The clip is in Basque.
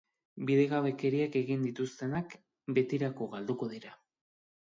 Bidegabekeriak egin dituztenak, betirako galduko dira.